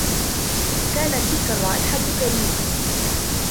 كانت تلك الرائحة كريهة.